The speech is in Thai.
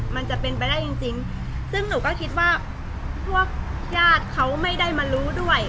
มันจะเป็นไปได้จริงจริงซึ่งหนูก็คิดว่าพวกญาติเขาไม่ได้มารู้ด้วย